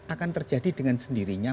akan terjadi dengan sendirinya